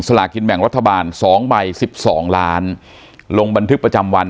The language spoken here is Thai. สลากินแบ่งรัฐบาลสองใบสิบสองล้านลงบันทึกประจำวัน